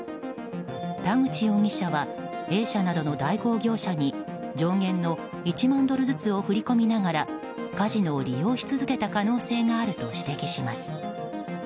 田口容疑者はＡ社などの代行業者に上限の１万ドルずつを振り込みながらカジノを利用し続けた可能性があると指摘します。